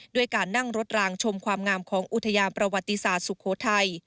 ด้วยการนั่งรถรางชมความงามของอุทยานประวัติศาสตร์สุโขทัย